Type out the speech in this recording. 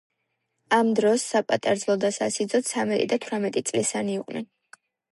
ამ დროს საპატარძლო და სასიძო ცამეტი და თვრამეტი წლისანი იყვნენ.